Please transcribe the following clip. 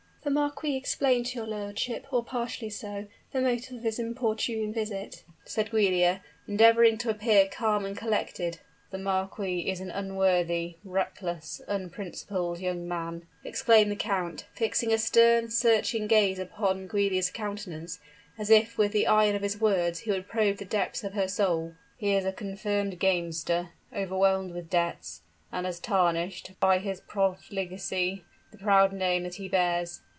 "The marquis explained to your lordship, or partially so, the motive of his importunate visit," said Giulia, endeavoring to appear calm and collected. "The marquis is an unworthy reckless unprincipled young man," exclaimed the count, fixing a stern, searching gaze upon Giulia's countenance, as if with the iron of his words he would probe the depths of her soul. "He is a confirmed gamester overwhelmed with debts and has tarnished, by his profligacy, the proud name that he bears.